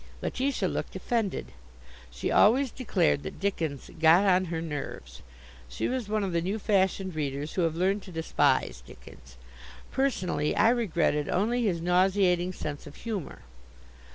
Letitia looked offended. She always declared that Dickens "got on her nerves." She was one of the new fashioned readers who have learned to despise Dickens. Personally, I regretted only his nauseating sense of humor.